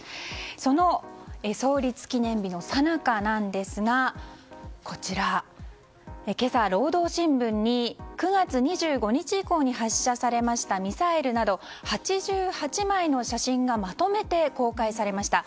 その創立記念日のさなかなんですが今朝、労働新聞に９月２５日以降に発射されましたミサイルなど８８枚の写真がまとめて公開されました。